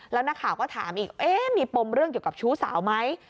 แล้วนักข่าวก็ถามอีกมีปมเรื่องเกี่ยวกับชู้สาวไหม